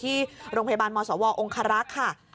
ที่โรงพยาบาลมศวองคารักษ์ค่ะ